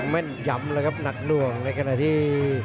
แม่นยำแล้วครับหนักหน่วงในขณะที่